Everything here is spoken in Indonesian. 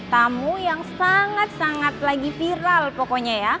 tamu yang sangat sangat lagi viral pokoknya ya